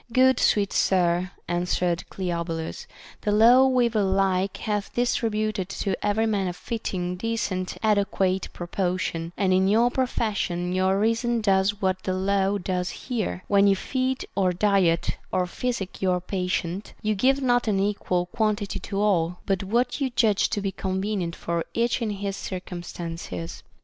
Good sweet sir, answered Cleobulus, the law weaver like hath distributed to every man a fitting, decent, adequate portion, and in your profession your reason does what the law does here, — when you feed, or diet, or physic your patient, you give not an equal quantity to all, but what you judge to be con venient for each in his circumstances.